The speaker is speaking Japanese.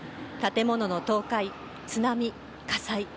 建物の倒壊、津波、火災。